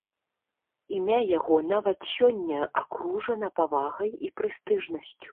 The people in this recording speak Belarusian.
Імя яго нават сёння акружана павагай і прэстыжнасцю.